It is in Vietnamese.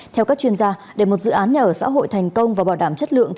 theo các chuyên gia để một dự án nhà ở xã hội thành công và bảo đảm chất lượng